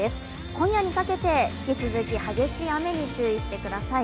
今夜にかけて引き続き激しい雨に注意してください。